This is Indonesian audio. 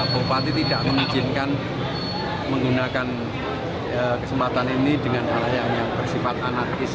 bupati tidak mengizinkan menggunakan kesempatan ini dengan hal yang bersifat anarkis